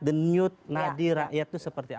the newt nadi rakyat itu seperti apa